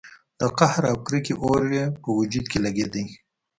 د قهر او کرکې اور يې په وجود کې لګېده.